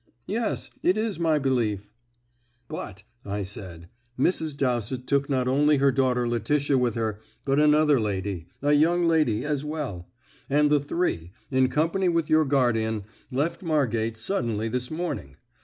"Yes, it is my belief." "But," I said, "Mrs. Dowsett took not only her daughter Letitia with her, but another lady, a young lady, as well; and the three, in company with your guardian, left Margate suddenly this morning.